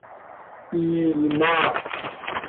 ایلماه